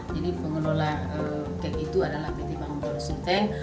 jadi pengelola kek itu adalah pt bangun palu sulawesi tengah